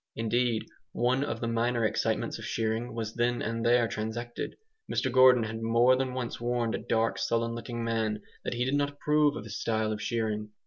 Indeed, one of the minor excitements of shearing was then and there transacted. Mr Gordon had more than once warned a dark sullen looking man that he did not approve of his style of shearing.